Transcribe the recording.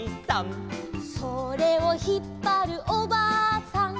「それをひっぱるおばあさん」